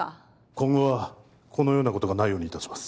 今後はこのようなことがないようにいたします